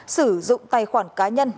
sử dụng tài khoản cá nhân